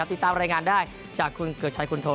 ติดตามรายงานได้จากคุณเกือกชัยคุณโท